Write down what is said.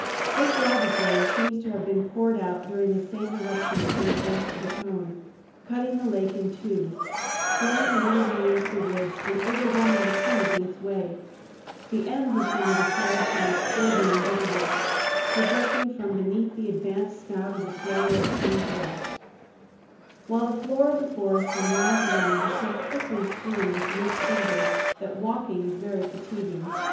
This lava flow seems to have been poured out during the same eruption that gave birth to the cone, cutting the lake in two, flowing a little way into the woods and overwhelming the trees in its way, the ends of some of the charred trunks still being visible, projecting from beneath the advanced snout of the flow where it came to rest; while the floor of the forest for miles around is so thickly strewn with loose cinders that walking is very fatiguing.